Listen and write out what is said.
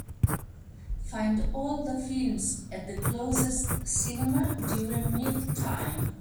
Find all the films at the closestcinema during meal time.